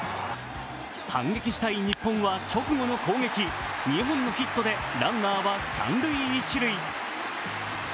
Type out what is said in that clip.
反撃したい日本は直後の攻撃、２本のヒットで、ランナーは三・一塁。